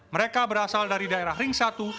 mereka berasal dari daerah ring satu